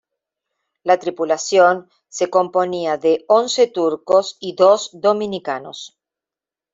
La tripulación se componía de once turcos y dos dominicanos.